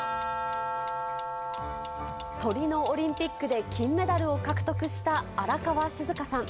トリノオリンピックで金メダルを獲得した荒川静香さん。